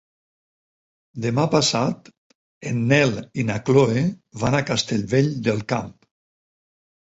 Demà passat en Nel i na Chloé van a Castellvell del Camp.